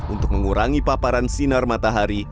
untuk mengurangi paparan sinar matahari